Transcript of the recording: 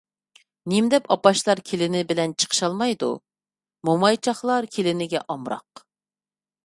نېمىدەپ ئاپاشلار كېلىنى بىلەن چىقىشالمايدۇ؟ مومايچاقلار كېلىنگە ئامراق؟